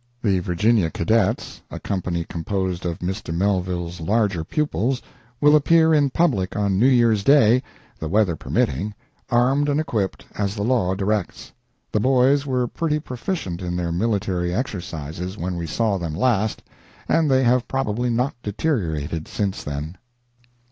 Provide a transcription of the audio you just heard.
The Virginia Cadets (a company composed of Mr. Mellvile's larger pupils,) will appear in public on New Year's Day, the weather permitting, armed and equipped as the law directs. The boys were pretty proficient in their military exercises when we saw them last, and they have probably not deteriorated since then.